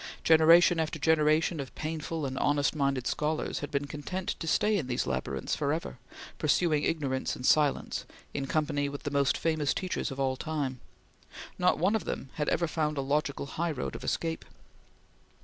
Generation after generation of painful and honest minded scholars had been content to stay in these labyrinths forever, pursuing ignorance in silence, in company with the most famous teachers of all time. Not one of them had ever found a logical highroad of escape.